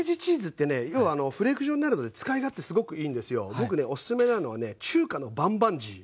僕ねおすすめなのはね中華のバンバンジー。